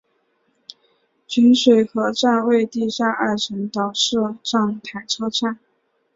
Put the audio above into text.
锦水河站为地下二层岛式站台车站。